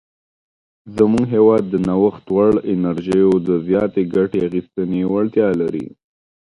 زموږ هیواد د نوښت وړ انرژیو د زیاتې ګټې اخیستنې وړتیا لري.